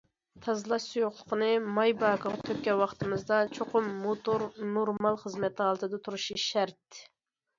تازىلاش سۇيۇقلۇقىنى ماي باكىغا تۆككەن ۋاقتىمىزدا چوقۇم موتور نورمال خىزمەت ھالىتىدە تۇرۇشى شەرت.